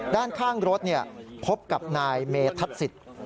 ด้านข้างรถพบกับนายเมธัศิษย์